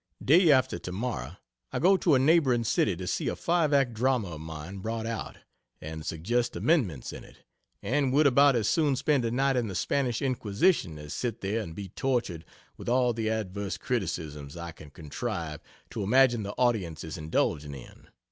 Day after to morrow I go to a neighboring city to see a five act drama of mine brought out, and suggest amendments in it, and would about as soon spend a night in the Spanish Inquisition as sit there and be tortured with all the adverse criticisms I can contrive to imagine the audience is indulging in.